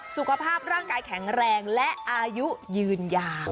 สุขภาพร่างกายแข็งแรงและอายุยืนยาว